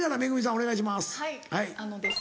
お願いします。